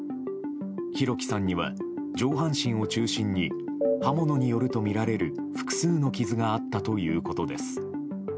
弘輝さんには上半身を中心に刃物によるとみられる複数の傷があったということです。